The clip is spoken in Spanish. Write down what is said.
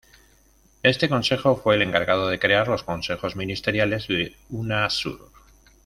Este consejo fue el encargado de crear los consejos ministeriales de Unasur.